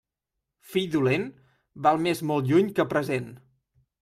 Fill dolent, val més molt lluny que present.